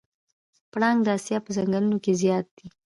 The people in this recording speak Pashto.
پړانګ د اسیا په ځنګلونو کې زیات دی.